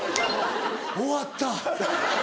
終わった。